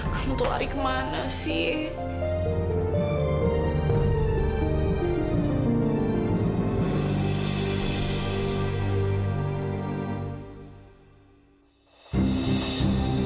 kamu tuh lari kemana sih